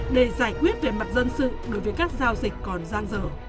để giải quyết về mặt dân sự đối với các giao dịch còn gian dở